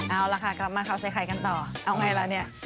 เอาละค่ะกลับมาคราวใส่ใครกันต่อเอาไงแล้วเนี่ย